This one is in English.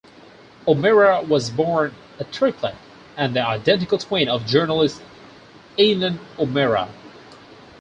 O'Meara was born a triplet, and the identical twin of journalist Aileen O'Meara.